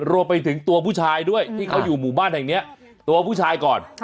รวมไปถึงตัวผู้ชายด้วยที่เขาอยู่หมู่บ้านแห่งนี้ตัวผู้ชายก่อน